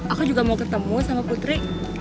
aku juga mau ketemu sama putri